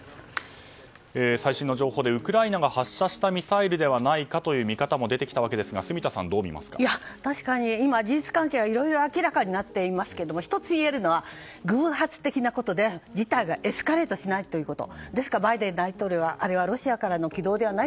最新の情報でウクライナが発射したミサイルではないかという見方も出てきたわけですが確かに今事実関係がいろいろ明らかになっていますが１つ言えるのは偶発的なことで事態がエスカレートしないということ。